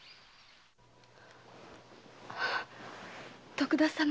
徳田様。